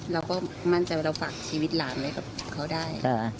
เราก็มั่นใจว่าเราฝากชีวิตหลานไว้กับเขาได้